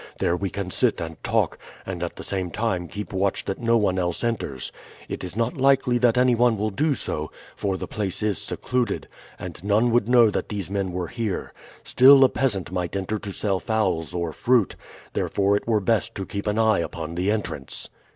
There we can sit and talk, and at the same time keep watch that no one else enters. It is not likely that any one will do so, for the place is secluded, and none would know that these men were here; still a peasant might enter to sell fowls or fruit, therefore it were best to keep an eye upon the entrance."